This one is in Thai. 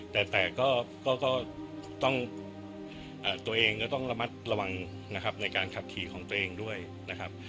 แต่ก็ต้องตัวเองก็ต้องระมัดระวังนะครับในการขับขี่ของตัวเองด้วยนะครับ